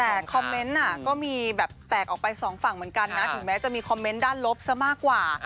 แต่คอมเมนต์ก็มีแบบแตกออกไปสองฝั่งเหมือนกันนะถึงแม้จะมีคอมเมนต์ด้านลบซะมากกว่า